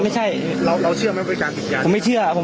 ไม่ใช่เราเราเชื่อไหมเป็นการติดยาผมไม่เชื่อผม